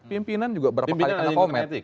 pimpinan juga berapa kali kena komen